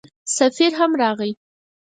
سفیر هم راغی.